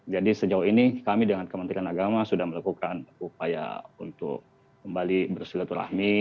jadi sejauh ini kami dengan kementerian agama sudah melakukan upaya untuk kembali bersilaturahmi